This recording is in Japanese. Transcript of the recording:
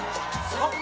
あっ！